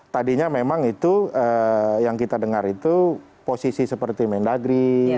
tadinya memang itu yang kita dengar itu posisi seperti mendagri